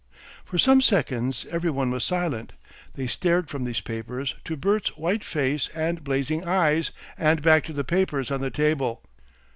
For some seconds every one was silent. They stared from these papers to Bert's white face and blazing eyes, and back to the papers on the table.